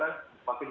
yang seperti ini